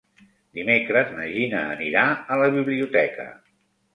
Dimecres na Gina anirà a la biblioteca.